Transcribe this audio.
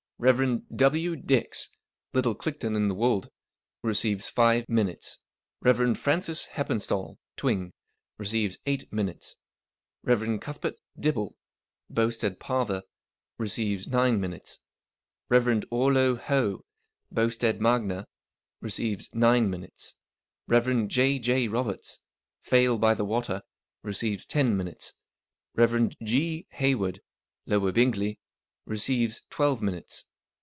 Rev. W. Dix (Little Clickton in the Wold), receives five minutes. Rev. Francis Heppenstall (Twing), receives eight minutes. Rev. Cuthbert Dibble (Boustead Parva), receives nine minutes. Rev. Orlo Hough (Boustead Magna), receives nine minutes. Rev. J* J Roberts (Fale by the Water), receives ten minutes. Rev. G. Hayward (Lower Bingley), receives twelve minutes.